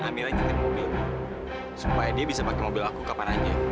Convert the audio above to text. sampai jumpa di video selanjutnya